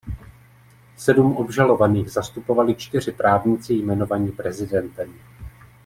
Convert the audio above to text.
Sedm obžalovaných zastupovali čtyři právníci jmenovaní prezidentem.